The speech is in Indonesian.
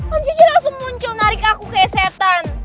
om jojo langsung muncul narik aku kayak setan